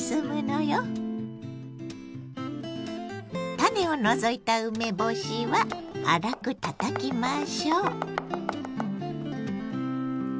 種を除いた梅干しは粗くたたきましょう。